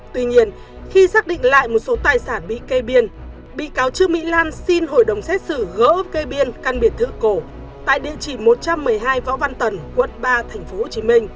tuy nhiên khi xác định lại một số tài sản bị cây biên bị cáo trương mỹ lan xin hội đồng xét xử gỡ cây biên căn biệt thự cổ tại địa chỉ một trăm một mươi hai võ văn tần quận ba tp hcm